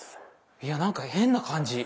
いやなんか変な感じ。